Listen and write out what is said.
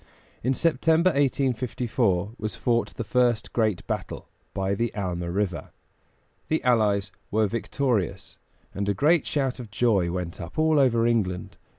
In September, 1854, was fought the first great battle, by the Alma River. The allies were victorious, and a great shout of joy went up all over England.